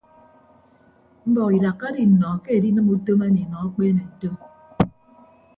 Mbọk idakka do innọ ke edinịm utom emi nọ akpeene ntom.